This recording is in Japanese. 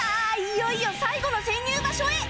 いよいよ最後の潜入場所へ！